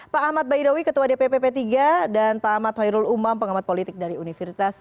pak ahmad baidowi ketua dpp p tiga dan pak ahmad khairul umam pengamat politik dari universitas